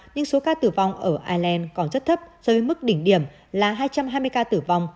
nhưng số ca tử vong ở ireland còn rất thấp dưới mức đỉnh điểm là hai trăm hai mươi ca tử vong